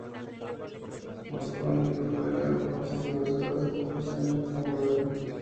Mosconi, que fuera conocido hasta hace pocos años como Bv.